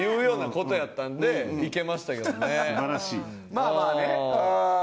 まあまあねっ？